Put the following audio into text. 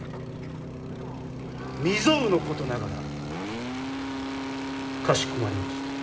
未曽有のことながらかしこまりました。